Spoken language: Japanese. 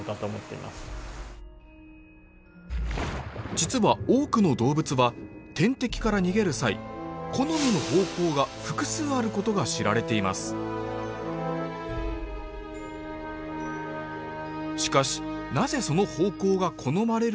実は多くの動物は天敵から逃げる際好みの方向が複数あることが知られていますしかしなぜその方向が好まれるのか